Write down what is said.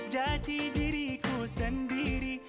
jadi diriku sendiri